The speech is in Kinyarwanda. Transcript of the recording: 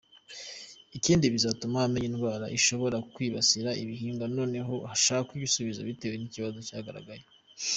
Ikindi bizatuma amenya indwara ishobora kwibasira igihingwa noneho hashakwe ibisubizo bitewe n’ikibazo cyagaragaye.